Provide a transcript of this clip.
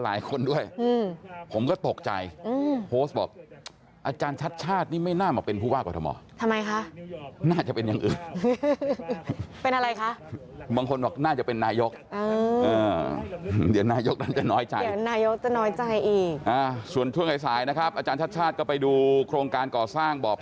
ถ้าเราหยุดไปมันก็หายเวลาไปตั้งเยอะก็ต้องทำให้เต็มที่ครับ